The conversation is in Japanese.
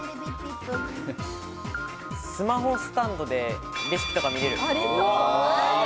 スマホスタンドでレシピとか見れる。